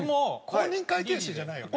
公認会計士じゃないよね？